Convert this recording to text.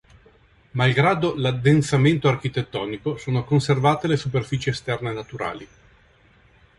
Malgrado l'addensamento architettonico sono conservate le superfici esterne naturali.